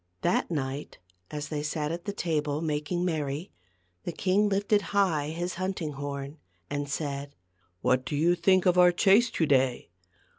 That night as they sat at the table making merry, the king lifted high his hunting horn, and said, " What do you think of our chase to day